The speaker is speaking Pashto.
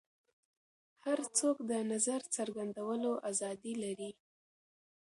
هر څوک د نظر څرګندولو ازادي لري.